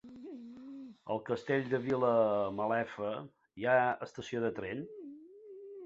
A el Castell de Vilamalefa hi ha estació de tren?